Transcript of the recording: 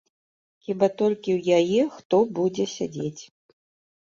Хіба толькі ў яе хто будзе сядзець.